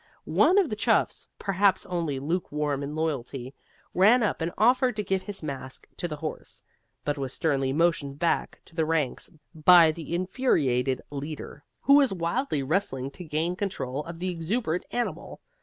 One of the chuffs (perhaps only lukewarm in loyalty), ran up and offered to give his mask to the horse, but was sternly motioned back to the ranks by the infuriated leader, who was wildly wrestling to gain control of the exuberant animal.